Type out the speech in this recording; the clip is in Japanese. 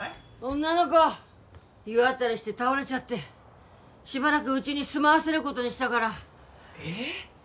女の子湯あたりして倒れちゃってしばらくウチに住まわせることにしたからえっ？